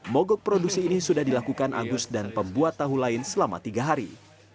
mogok produksi ini sudah dilakukan agus dan pembuat tahu lain selama tiga hari